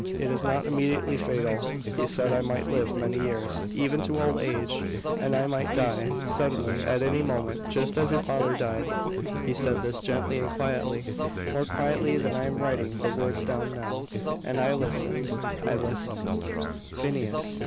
It is not immediately fatal; he said I might live many years, even to old age; and I might die, suddenly, at any moment, just as your father died." He said this gently and quietly more quietly than I am writing the words down now; and I listened I listened. "Phineas!"